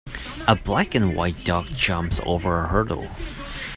A black and white dog jumps over a hurdle.